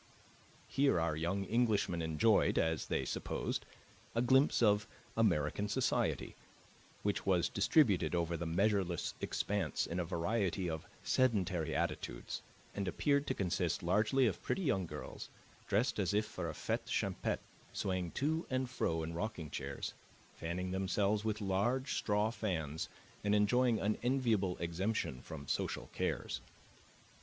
Here our young Englishmen enjoyed, as they supposed, a glimpse of American society, which was distributed over the measureless expanse in a variety of sedentary attitudes, and appeared to consist largely of pretty young girls, dressed as if for a fete champetre, swaying to and fro in rocking chairs, fanning themselves with large straw fans, and enjoying an enviable exemption from social cares.